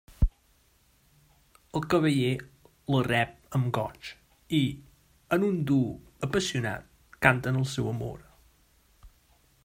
El cavaller la rep amb goig i, en un duo apassionat, canten el seu amor.